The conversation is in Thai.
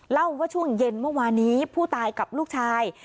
เล่าว่าช่วงเย็นเมื่อวานนี้ผู้ตายกับลูกชาย